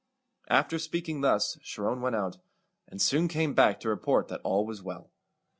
After speaking thus, Charon went out, and soon came back to report that all was well.